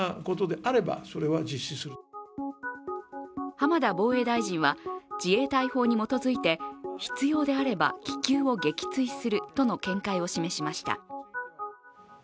浜田防衛大臣は自衛隊法に基づいて必要であれば気球を撃墜するとの見解を示しました。